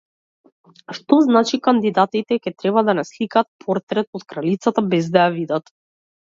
Што значи, кандидатите ќе треба да насликаат портрет од кралицата без да ја видат!